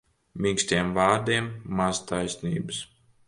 Mīkstiem vārdiem maz taisnības.